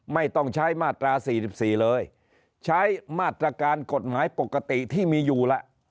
ไม่ต้องใช้มาตรา๔๔เลยใช้มาตรการกฎหมายปกติที่มีอยู่แล้ว